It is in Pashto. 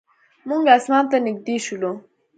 موږ اسمان ته نږدې شولو.